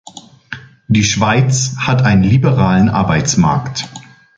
Die Schweiz hat einen liberalen Arbeitsmarkt.